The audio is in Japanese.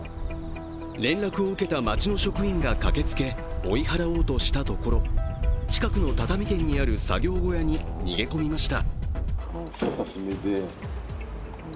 連絡を受けた町の職員が駆けつけ追い払おうとしたところ近くの畳店にある作業小屋に逃げ込みました。